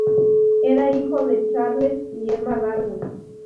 Era hijo de Charles y Emma Darwin.